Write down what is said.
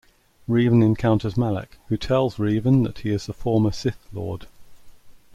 Revan encounters Malak, who tells Revan that he is the former Sith lord.